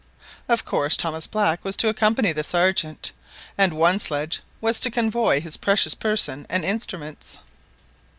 Of course Thomas Black was to accompany the Sergeant, and one sledge was to convoy his precious person and instruments.